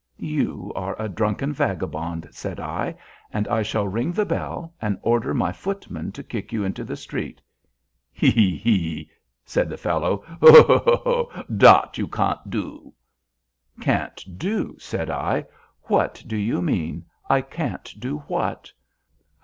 "You are a drunken vagabond," said I, "and I shall ring the bell and order my footman to kick you into the street." "He! he! he!" said the fellow, "hu! hu! hu! dat you can't do." "Can't do!" said I, "what do you mean? I can't do what?"